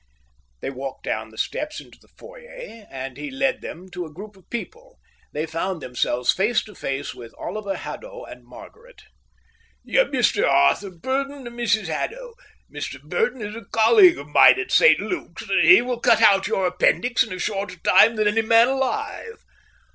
They walked down the steps into the foyer, and he led them to a group of people. They found themselves face to face with Oliver Haddo and Margaret. "Mr Arthur Burdon—Mrs Haddo. Mr Burdon is a colleague of mine at St Luke's; and he will cut out your appendix in a shorter time than any man alive."